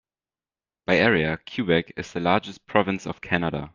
By area, Quebec is the largest province of Canada.